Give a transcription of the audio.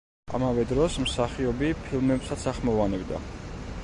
ამავე დროს მსახიობი ფილმებსაც ახმოვანებდა.